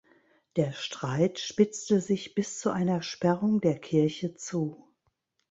Der Streit spitzte sich bis zu einer Sperrung der Kirche zu.